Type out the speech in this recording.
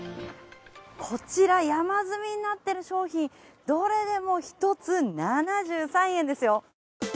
こちら、山積みになってる商品、どれでも一つ７３円ですよ。